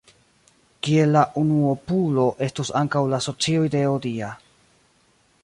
Kiel la unuopulo estus ankaŭ la socio ideo dia.